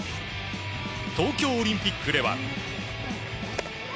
東京オリンピックでは。